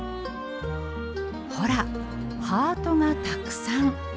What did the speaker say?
ほらハートがたくさん。